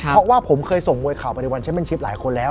เพราะว่าผมเคยส่งมวยข่าวไปในวันแชมเป็นชิปหลายคนแล้ว